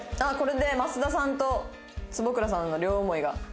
あっこれで益田さんと坪倉さんの両思いが。